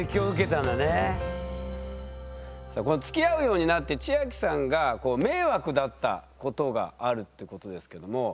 さあこのつきあうようになって千明さんが迷惑だったことがあるってことですけども。